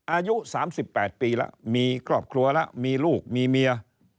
อายุ๓๘ปีมีกรอบครัวมีลูกมีเมีย